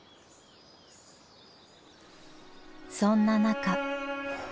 そんな中。